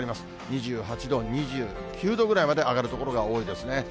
２８度、２９度ぐらいまで上がる所が多いですね。